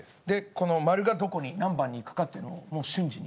この〇が何番に行くかっていうのをもう瞬時に。